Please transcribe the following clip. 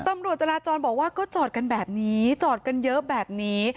ตำรวจจราจรบอกว่าก็จอดกันแบบนี้จอดกันเยอะแบบนี้